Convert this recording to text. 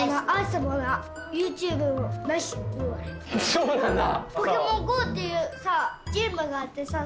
そうなんだ。